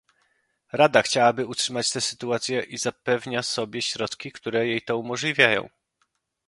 Rada chciałaby utrzymać tę sytuację i zapewnia sobie środki, które jej to umożliwią